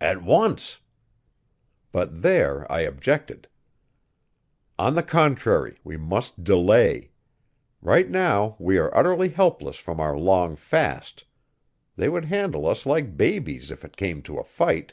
"At once." But there I objected. "On the contrary, we must delay. Right now we are utterly helpless from our long fast. They would handle us like babies if it came to a fight.